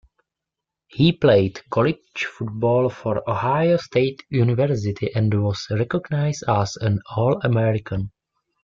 He played college football for Ohio State University, and was recognized as an All-American.